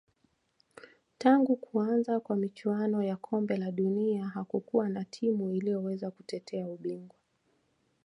tangu kuanza kwa michuano ya kombe la dunia hakukuwa na timu iliyoweza kutetea ubingwa